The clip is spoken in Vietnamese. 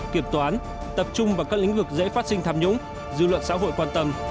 kiểm toán tập trung vào các lĩnh vực dễ phát sinh tham nhũng dư luận xã hội quan tâm